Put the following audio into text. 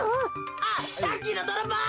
あっさっきのどろぼう！